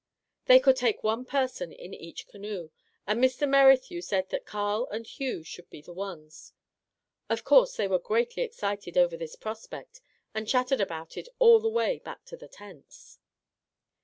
They could take one person in each canoe, and Mr. Merrithew had said that Carl and Hugh should be the ones. Of course they were greatly excited over this prospect, and chattered about it all the way back to the tents.